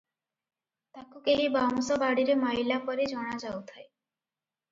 ତାକୁ କେହି ବାଉଁଶ ବାଡ଼ିରେ ମାଇଲା ପରି ଜଣାଯାଉଥାଏ ।"